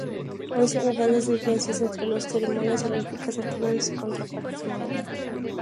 Hay semejanzas y diferencias entre las ceremonias Olímpicas antiguas y sus contrapartes modernas.